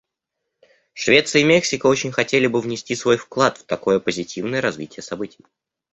Швеция и Мексика очень хотели бы внести свой вклад в такое позитивное развитие событий.